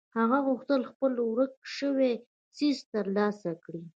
هغه غوښتل خپل ورک شوی څيز تر لاسه کړي.